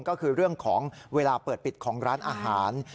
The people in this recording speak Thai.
ก็คือเรื่องของเวลาเปิดปิดของร้านอาหาร